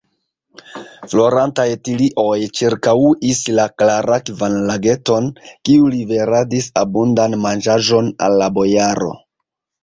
Florantaj tilioj ĉirkaŭis la klarakvan lageton, kiu liveradis abundan manĝaĵon al la bojaro.